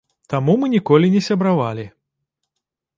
Таму мы ніколі не сябравалі.